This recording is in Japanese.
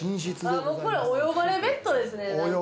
お呼ばれベッドですね。